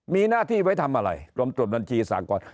มีหน้าที่ไว้ทำอะไรกรมตรวจบัญชีสากร